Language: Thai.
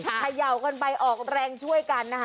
เขย่ากันไปออกแรงช่วยกันนะคะ